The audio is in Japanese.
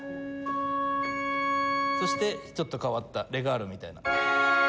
そしてちょっと変わったレガールみたいな。